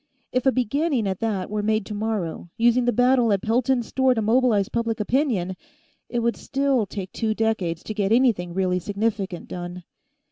If a beginning at that were made tomorrow, using the battle at Pelton's store to mobilize public opinion, it would still take two decades to get anything really significant done.